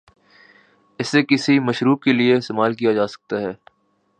اسے کسی بھی مشروب کے لئے استعمال کیا جاسکتا ہے ۔